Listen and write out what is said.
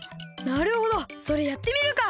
なるほどそれやってみるか！